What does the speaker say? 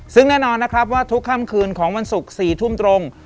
ซึ่งแน่นอนนะครับว่าทุกค่ำคืนของวันศุกร์๔ทุ่มตรง